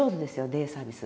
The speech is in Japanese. デイサービス。